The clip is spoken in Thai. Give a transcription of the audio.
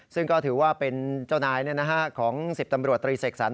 ซึ่งก็ถือว่าเป็นเจ้านายของ๑๐ตำรวจตรีเสกสรร